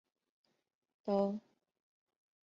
这都是还在争论中的问题。